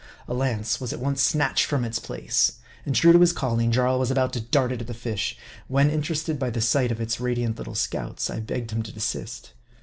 A lance was at once snatched from its place ; and true to his calling, Jarl was about to dart it at the fish, when, interested by the sight of its radiant little scouts, I begged him to desist.